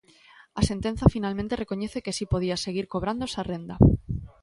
A sentenza finalmente recoñece que si podía seguir cobrando esa renda.